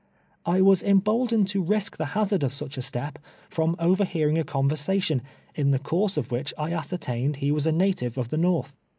I was emboldened to risk the hazard of such a step, from overhearing a conversation, in the course of which I ascertained he was a native of the Xorth.